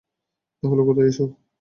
তাহলে কোথায় ওসব?